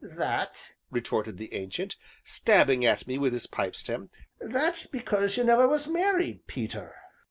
"That," retorted the Ancient, stabbing at me with his pipe stem, "that's because you never was married, Peter."